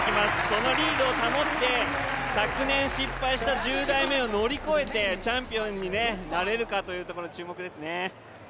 そのリードを保って昨年失敗した１０台目を乗り越えて１０台目を乗り越えてチャンピオンになれるかというところに注目ですね。